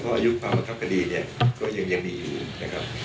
เพราะอายุความประคับคะดีก็ยังอยู่นะครับ